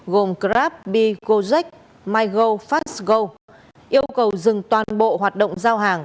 gồm grab bi gojek mygo fastgo yêu cầu dừng toàn bộ hoạt động giao hàng